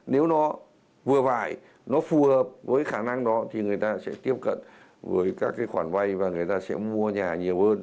nếu nó vừa vải nó phù hợp với khả năng đó thì người ta sẽ tiếp cận với các cái khoản vay và người ta sẽ mua nhà nhiều hơn